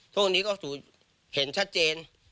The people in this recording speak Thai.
ทุกอย่างนี้ก็เห็นชัดเจน